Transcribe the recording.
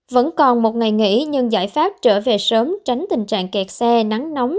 vẫn còn một ngày nghỉ nhưng giải pháp trở về sớm tránh tình trạng kẹt xe nắng nóng